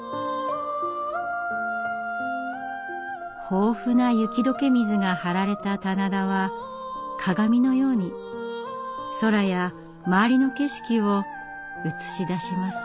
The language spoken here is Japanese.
豊富な雪解け水が張られた棚田は鏡のように空や周りの景色を映し出します。